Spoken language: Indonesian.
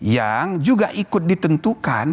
yang juga ikut ditentukan